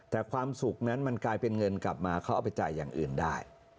แต่ความสุขนั้นมันกลายเป็นเงินกลับมาเขาเอาไปจ่ายอย่างอื่นได้